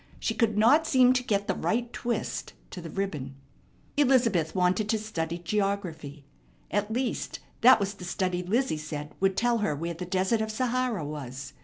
She could not seem to get the right twist to the ribbon. Elizabeth wanted to study geography. At least, that was the study Lizzie said would tell her where the Desert of Sahara was.